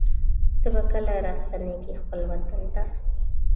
ته به کله راستنېږې خپل وطن ته